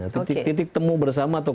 titik titik temu bersama atau